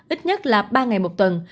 ít nhất là ba ngày một tuần